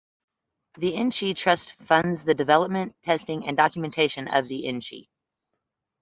The InChI Trust funds the development, testing and documentation of the InChI.